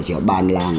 chỉ ở bàn làng